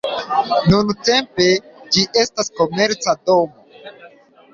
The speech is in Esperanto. Nuntempe ĝi estas komerca domo.